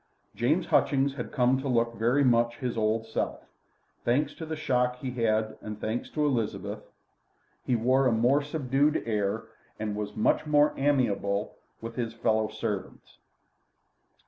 James Hutchings had come to look very much his old self. Thanks to the shock he had had and thanks to Elizabeth, he wore a more subdued air, and was much more amiable with his fellow servants.